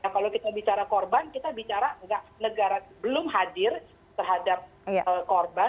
kalau kita bicara korban kita bicara negara belum hadir terhadap korban